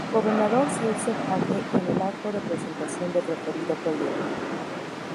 Gobernador Celso Jaque en el acto de presentación del referido proyecto.